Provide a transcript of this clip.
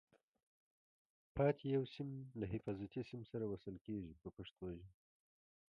پاتې یو سیم یې له حفاظتي سیم سره وصل کېږي په پښتو ژبه.